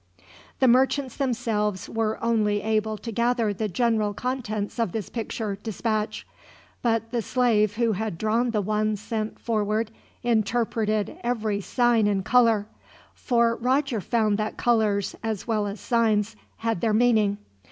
The merchants themselves were only able to gather the general contents of this picture dispatch, but the slave who had drawn the one sent forward interpreted every sign and color; for Roger found that colors, as well as signs, had their meaning.